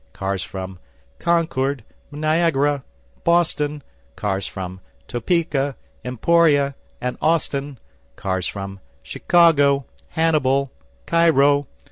Cars from Concord, Niagara, Boston, Cars from Topeka, Emporia, and Austin. Cars from Chicago, Hannibal, Cairo.